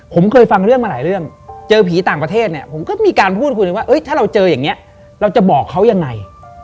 ผมเคยฟังเรื่องมาหลายเรื่องเจอผีต่างประเทศเนี่ยผมก็มีการพูดคุยว่าถ้าเราเจออย่างนี้เราจะบอกเขายังไง